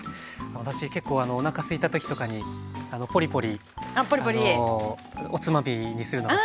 私結構おなかすいた時とかにポリポリおつまみにするの好きなんですけど。